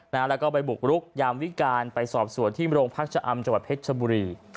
แล้วก็ไปบุกรุกยามวิการไปสอบสวนที่โรงพักชะอำจังหวัดเพชรชบุรี